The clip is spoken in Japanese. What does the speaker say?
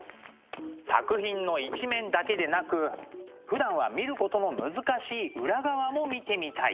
作品の一面だけでなくふだんは見ることの難しい裏側も見てみたい。